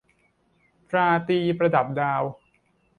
ราตรีประดับดาว